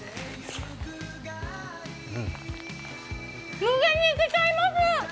無限にいけちゃいます！